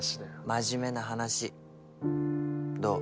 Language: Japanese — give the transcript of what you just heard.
真面目な話どう？